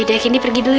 dek kenny pergi dulu ya